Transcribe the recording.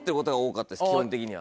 基本的には。